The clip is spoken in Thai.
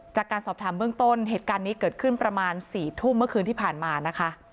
จากการสอบถามเบื้องต้นเหตุการณ์นี้เกิดขึ้นประมาณ๔ทุ่มเมื่อคืนที่ผ่านมานะคะ